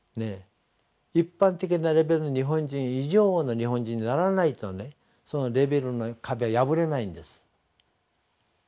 一般的なレベルの日本人以上の日本人にならないとねそのレベルの壁は破れないんです。